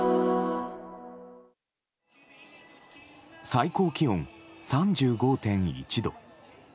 最高気温３５．１度。